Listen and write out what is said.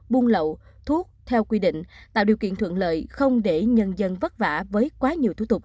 buôn lậu thuốc theo quy định tạo điều kiện thuận lợi không để nhân dân vất vả với quá nhiều thủ tục